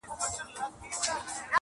نو یې ووېشل ډوډۍ پر قسمتونو!.